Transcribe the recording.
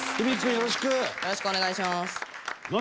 よろしくお願いします。